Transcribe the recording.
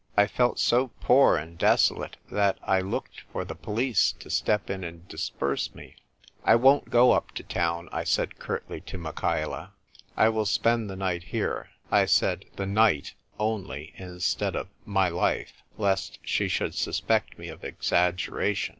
I felt so poor and desolate that I looked for the police to step in and disperse me. "I won't go up to town," I said curtly to Michaela. " I will spend the night here." I said " the night " only, instead of " my life," lest she should suspect me of exaggera tion.